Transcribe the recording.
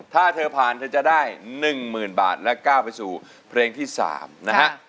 ถ้าเธอผ่านเธอจะได้๑๐๐๐บาทและก้าวไปสู่เพลงที่๓นะฮะ